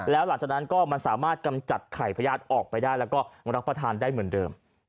แล้วหลังจากนั้นก็มันสามารถกำจัดไข่พญาติออกไปได้แล้วก็รับประทานได้เหมือนเดิม